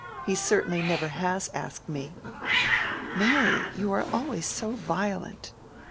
He certainly never has asked me." "Mary, you are always so violent."